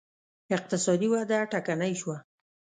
اقتصادي وده ټکنۍ شوه